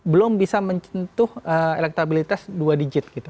belum bisa mencintuh elektabilitas dua digit